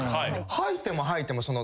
吐いても吐いても。